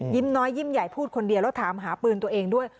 น้อยยิ้มใหญ่พูดคนเดียวแล้วถามหาปืนตัวเองด้วย